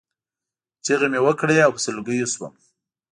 چغې مې وکړې او په سلګیو شوم.